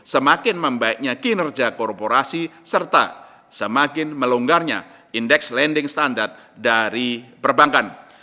semakin membaiknya kinerja korporasi serta semakin melonggarnya indeks landing standar dari perbankan